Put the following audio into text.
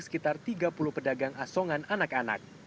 sekitar tiga puluh pedagang asongan anak anak